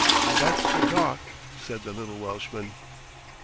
"That's the talk," said the little Welshman.